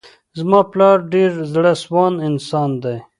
زما پلار ډير زړه سوانده انسان دی.